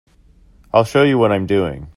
I'll show you what I'm doing.